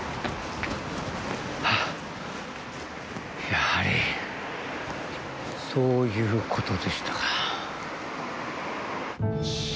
やはりそういうことでしたか